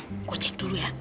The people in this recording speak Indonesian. tenang gue cek dulu ya